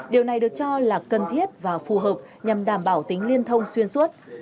điều này được cho là cần thiết và phù hợp nhằm đảm bảo tính liên thông xuyên suốt